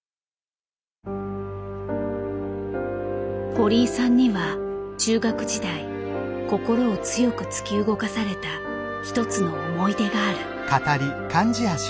堀井さんには中学時代心を強く突き動かされた一つの思い出がある。